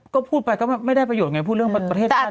ก็พูดไปก็ไม่ได้ประโยชน์ไงพูดเรื่องประเทศภาคดีกว่าไง